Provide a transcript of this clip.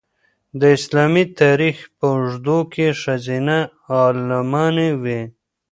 د اسلامي تاریخ په اوږدو کې ښځینه عالمانې وې.